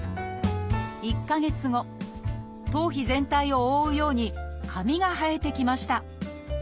１か月後頭皮全体を覆うように髪が生えてきました。